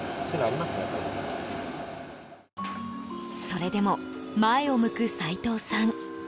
それでも前を向く齋藤さん。